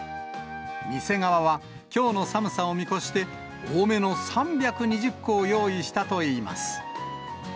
店側は、きょうの寒さを見越して、多めの３２０個を用意したといいます。